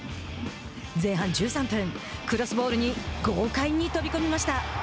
前半１３分クロスボールに豪快に飛び込みました。